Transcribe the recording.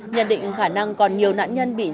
nhận định khả năng còn nhiều nạn nhân bị